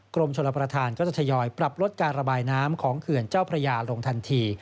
กรมชลประธานก็จะทยอยปรับลดการระบายน้ำของเขื่อนเจ้าพระยาลงทันที